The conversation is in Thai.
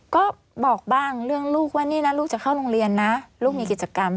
ก็บอกบ้างเรื่องลูกว่านี่นะลูกจะเข้าโรงเรียนนะลูกมีกิจกรรม